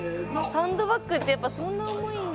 サンドバッグってそんな重いんだ。